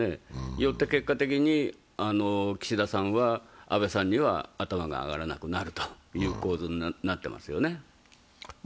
よって、結果的に岸田さんは安倍さんには頭が上がらなくなってますよね。